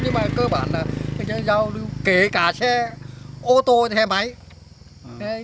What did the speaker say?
nhưng mà cơ bản là giao lưu kể cả xe ô tô xe máy